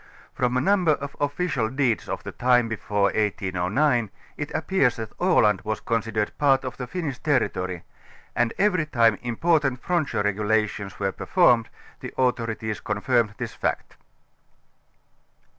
From a number of official deeds of the time before 1809 it appears that Aland was considered part of the Finnish ter ritory and every time important frontier regulations were performed, the authorities confirmed this fact.